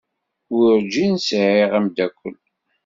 Werǧin sɛiɣ ameddakel.